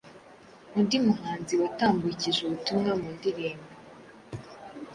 Undi muhanzi watambukije ubutumwa mu ndirimbo